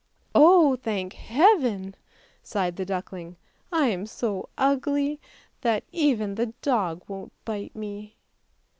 " Oh, thank Heaven! " sighed the duckling, " I am so ugly that even the dog won't bite me!